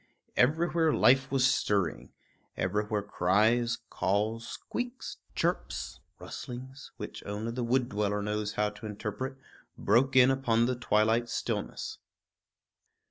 Everywhere life was stirring; everywhere cries, calls, squeaks, chirps, rustlings, which only the wood dweller knows how to interpret, broke in upon the twilight stillness.